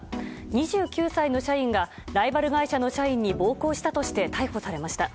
２９歳の社員がライバル会社の社員に暴行したとして逮捕されました。